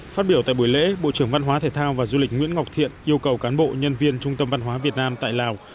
phát biểu tại buổi lễ bộ trưởng văn hóa thể thao và du lịch nguyễn ngọc thiện yêu cầu cán bộ nhân viên trung tâm văn hóa việt nam tại lào